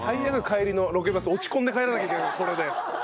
帰りのロケバス落ち込んで帰らなきゃいけないこれで。